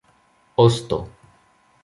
osto